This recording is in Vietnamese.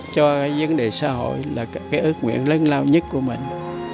cho vấn đề xã hội là cái ước nguyện lớn lao nhất của mình